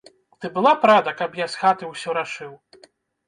Ты была б рада, каб я з хаты ўсё рашыў?